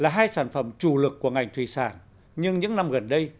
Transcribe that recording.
là hai sản phẩm chủ lực của ngành thủy sản nhưng những năm gần đây